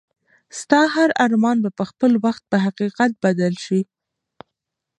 ستا هر ارمان به په خپل وخت په حقیقت بدل شي.